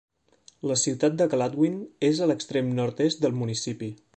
La ciutat de Gladwin és a l'extrem nord-est del municipi.